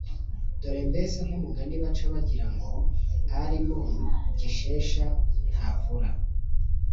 Dore mbese nk’umugani baca bagira ngo “Arimo Gishegesha ntavura”